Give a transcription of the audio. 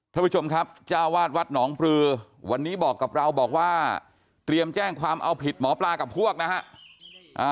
ท่านผู้ชมครับเจ้าวาดวัดหนองปลือวันนี้บอกกับเราบอกว่าเตรียมแจ้งความเอาผิดหมอปลากับพวกนะฮะ